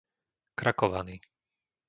Krakovany